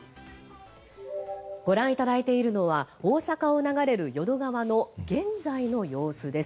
ご覧いただいているのは大阪を流れる淀川の現在の様子です。